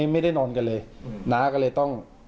ไม่ได้นอนกันเลยน้าก็เลยต้อง